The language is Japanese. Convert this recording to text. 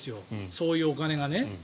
そういうお金がね。